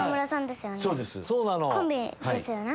コンビですよね。